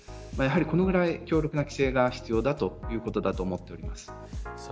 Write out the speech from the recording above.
このぐらい強力な規制が必要だということだと思っています。